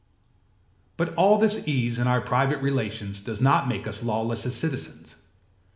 But all this ease in our private relations does not make us lawless as citizens.